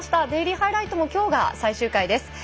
デイリーハイライトもきょうが最終回です。